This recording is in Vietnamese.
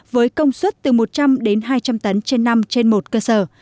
với công suất từ một trăm linh đến hai trăm linh tấn trên năm trên một cơ sở